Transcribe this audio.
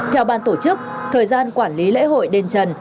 theo bàn tổ chức thời gian quản lý lễ hội điện trần